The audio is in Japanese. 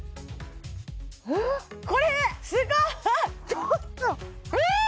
ちょっとええ！？